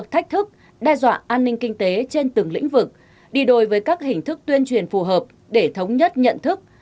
thách thức đe dọa an ninh kinh tế trên từng lĩnh vực đi đôi với các hình thức tuyên truyền phù hợp để thống nhất nhận thức